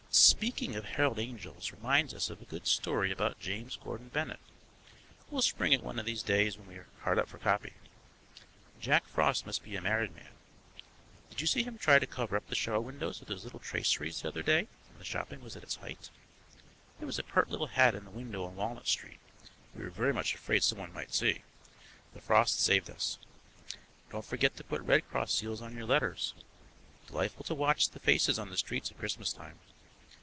Speaking of Herald Angels reminds us of a good story about James Gordon Bennett; we'll spring it one of these days when we're hard up for copy. Jack Frost must be a married man, did you see him try to cover up the show windows with his little traceries the other day when the shopping was at its height? There was a pert little hat in a window on Walnut Street we were very much afraid someone might see; the frost saved us. Don't forget to put Red Cross seals on your letters. Delightful to watch the faces on the streets at Christmas time.